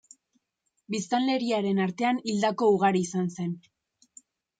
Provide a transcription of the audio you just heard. Biztanleriaren artean hildako ugari izan zen.